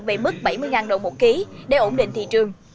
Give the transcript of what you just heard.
về mức bảy mươi đồng một ký để ổn định thị trường